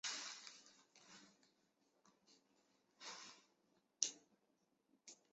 并五苯有机薄膜晶体管和有机场效应晶体管的研究是一个热门领域。